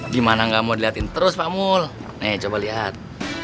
gimana gak mau diliatin terus pak mul nih coba lihat